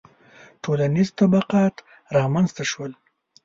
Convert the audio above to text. • ټولنیز طبقات رامنځته شول